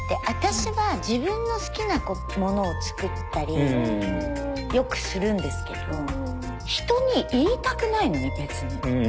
私は自分の好きなものを作ったりよくするんですけど人に言いたくないのね別に。